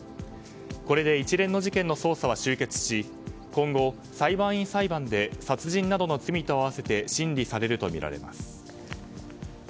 これで一連の事件の捜査は終結し今後、裁判員裁判で殺人などの罪と合わせて審理されるとみられます。